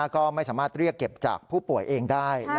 ก็ไม่สามารถเรียกเก็บจากผู้ป่วยเองได้